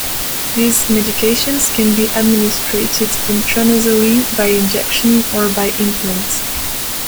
These medications can be administered intranasally, by injection, or by implant.